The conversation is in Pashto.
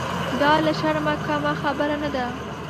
دا له شرمه کمه خبره نه ده.